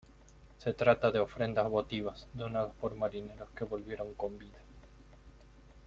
Se trata de ofrendas votivas donadas por marineros que volvieron con vida.